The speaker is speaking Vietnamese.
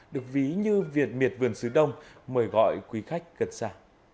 được ví như việt miệt vườn sứ đông mời gọi quý khách gần xa